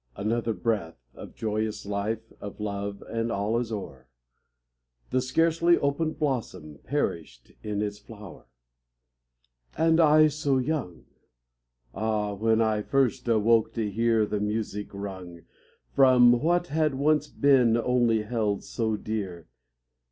Another breath Of joyous Hfe, of love, and all is o'er, The scarcely opened blossom perished in ks flower ! And I so young ! Ah, when I first awoke to hear The music rung From what bad once b^en only held so dear.